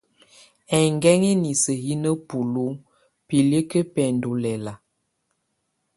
Ɛnguɛŋɛ inisə yɛ nabulu bilikə bɛndɔ lɛla.